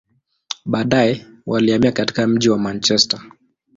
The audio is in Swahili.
Baadaye, walihamia katika mji wa Manchester.